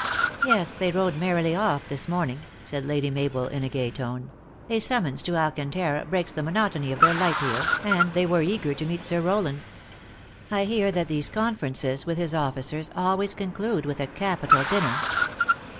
"Yes! they rode merrily off this morning," said Lady Mabel iii a gay tone. u A summons to Alcan tara breaks the monotony of their life here, and they were eager to meet Sir Rowland. I hear that these conferences w r ith his officers always conclude with a capital dinner.